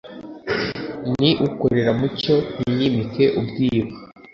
Ni ukorera mu mucyo ntiyimike ubwiru